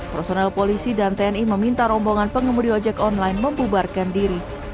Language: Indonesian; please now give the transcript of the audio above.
personel polisi dan tni meminta rombongan pengemudi ojek online membubarkan diri